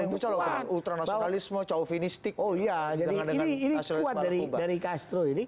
ini nasional dan ada perbedaan ultranasionalisme caufinistik oh ya jadi ini dari dari castro ini